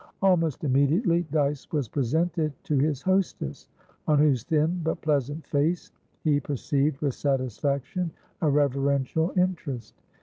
Almost immediately, Dyce was presented to his hostess, on whose thin but pleasant face he perceived with satisfaction a reverential interest.